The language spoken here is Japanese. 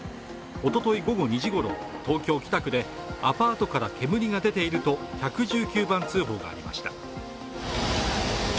おととい午後２時ごろ東京・北区でアパートから煙が出ていると１１９番通報がありました。